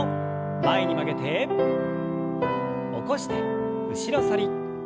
前に曲げて起こして後ろ反り。